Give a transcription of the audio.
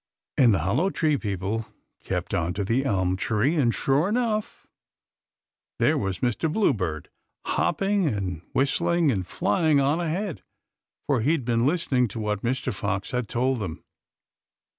And the Hollow Tree people kept on to the elm tree, and, sure enough, there was Mr. Bluebird, hopping and whistling and flying on ahead, for he'd been listening to what Mr. Fox had told them.